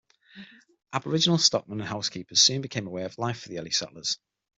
Aboriginal stockmen and housekeepers soon became a way of life for the early settlers.